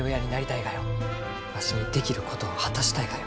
わしにできることを果たしたいがよ。